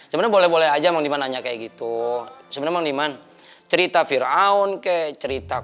sebenarnya boleh boleh aja mandiman nanya kayak gitu sebenarnya mandiman cerita fir'aun ke cerita